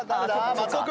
松尾君。